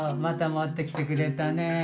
またもってきてくれたね。